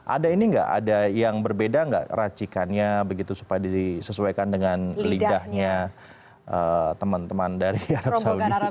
ada ini nggak ada yang berbeda nggak racikannya begitu supaya disesuaikan dengan lidahnya teman teman dari arab saudi